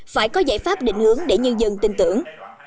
phải có giải pháp định hướng để nhân dân tin tưởng